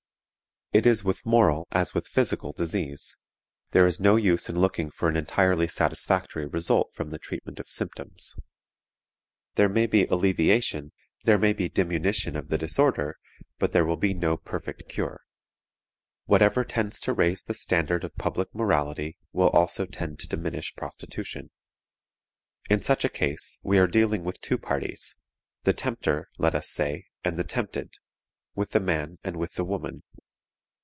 It is with moral as with physical disease there is no use in looking for an entirely satisfactory result from the treatment of symptoms; there may be alleviation, there may be diminution of the disorder, but there will be no perfect cure. Whatever tends to raise the standard of public morality will also tend to diminish prostitution. In such a case we are dealing with two parties: the tempter, let us say, and the tempted; with the man and with the woman.